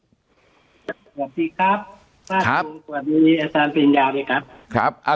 สวัสดีครับสวัสดีสวัสดีอาจารย์ปริญญาณดีครับครับอ่า